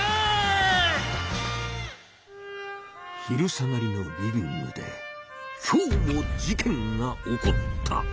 昼下がりのリビングで今日も事件が起こった。